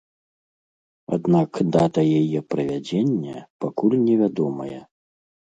Аднак дата яе правядзення пакуль невядомая.